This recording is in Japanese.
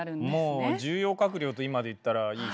もう重要閣僚と今で言ったらいい人たち。